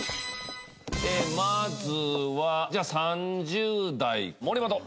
まずはじゃあ３０代森本。